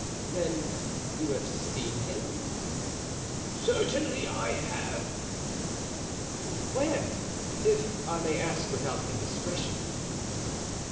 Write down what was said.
"Then you have seen him?" "Certainly I have." "Where? if I may ask without indiscretion."